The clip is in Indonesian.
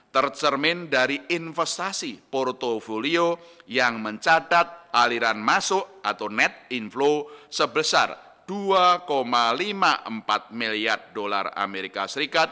tercermin dari investasi portfolio yang mencatat aliran masuk atau net inflow sebesar dua lima puluh empat miliar dolar as